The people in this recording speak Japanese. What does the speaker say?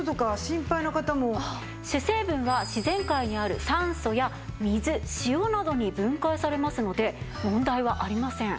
主成分は自然界にある酸素や水塩などに分解されますので問題はありません。